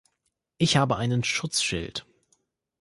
Ich habe einen Schutzschild.